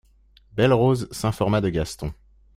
Belle-Rose s'informa de Gaston.